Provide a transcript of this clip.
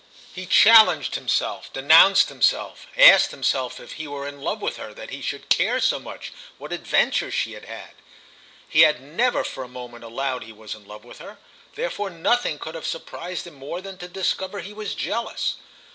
He challenged himself, denounced himself, asked himself if he were in love with her that he should care so much what adventures she had had. He had never for a moment allowed he was in love with her; therefore nothing could have surprised him more than to discover he was jealous.